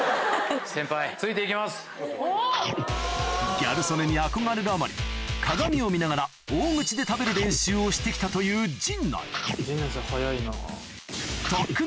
ギャル曽根に憧れるあまり鏡を見ながら大口で食べる練習をして来たという陳内陳内さん早いな。